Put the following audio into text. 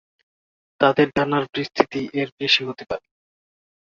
তাদের ডানার বিস্তৃতি এর বেশি হতে পারে।